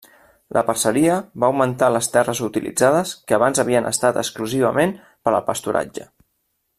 La parceria va augmentar les terres utilitzades que abans havien estat exclusivament per al pasturatge.